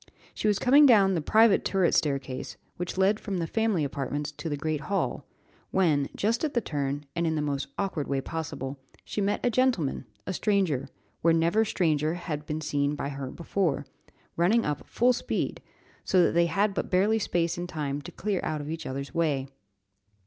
She was coming down the private turret staircase, which led from the family apartments to the great hall, when, just at the turn, and in the most awkward way possible, she met a gentleman, a stranger, where never stranger had been seen by her before, running up full speed, so that they had but barely space and time to clear out of each other's way.